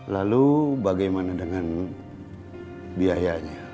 lalu bagaimana dengan biayanya